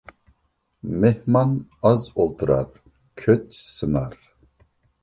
مېھمان ئاز ئولتۇرار، كۆچ سىنار.